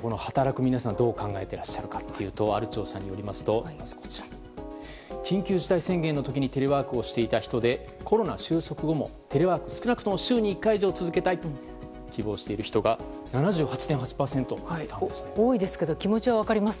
この働く皆さんどう考えていらっしゃるかというとある調査によりますと緊急事態宣言の時にテレワークをしていた人でコロナ収束後も、テレワークを少なくとも週に１回以上したいと多いですけど気持ちは分かりますよ。